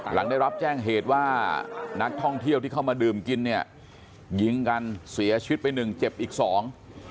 หลังได้รับแจ้งเหตุว่านักท่องเที่ยวที่เข้ามาดื่มกินเนี่ยยิงกันเสียชีวิตไปหนึ่งเจ็บอีกสอง